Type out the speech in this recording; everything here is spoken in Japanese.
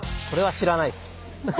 これは知らないっす。